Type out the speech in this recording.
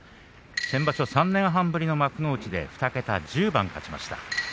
先場所３年半ぶりの幕内で２桁１０番勝ちました。